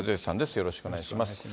よろしくお願いします。